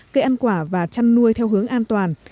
cây ăn quả và chăn nuôi theo hướng an toàn